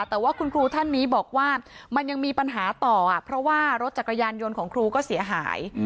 แต่ว่าคุณครูท่านนี้บอกว่ามันยังมีปัญหาต่อเพราะว่ารถจักรยานยนต์ของครูก็เสียหาย